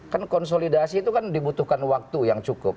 kan konsolidasi itu kan dibutuhkan waktu yang cukup